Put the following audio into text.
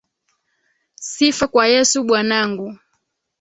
Sifa kwa Yesu Bwanangu,